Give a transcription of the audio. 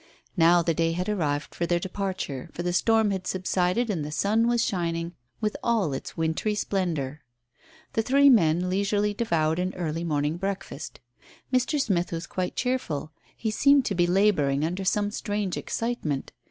Now the day had arrived for their departure, for the storm had subsided and the sun was shining with all its wintry splendour. The three men leisurely devoured an early morning breakfast. Mr. Smith was quite cheerful. He seemed to be labouring under some strange excitement.